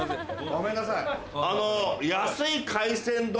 ごめんなさい。